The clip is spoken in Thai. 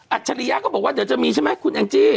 ฉริยะก็บอกว่าเดี๋ยวจะมีใช่ไหมคุณแองจี้